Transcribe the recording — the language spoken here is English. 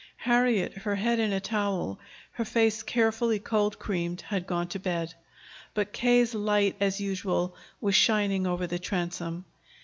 Harriet, her head in a towel, her face carefully cold creamed, had gone to bed; but K.'s light, as usual, was shining over the transom.